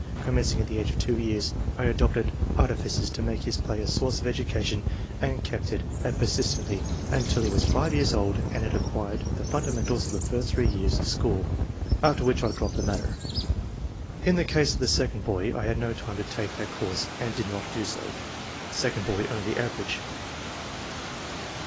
Commencing at the age of two years I adopted artifices to make his play a source of education and kept at it persistently until he was five years old and had acquired the fundamentals of the first three years of school, after which I dropped the matter. In the case of the second boy, I had no time to take that course and did not do so." (Second boy only average.)